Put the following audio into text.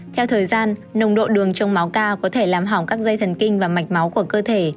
theo thời gian nồng độ đường trong máu cao có thể làm hỏng các dây thần kinh và mạch máu của cơ thể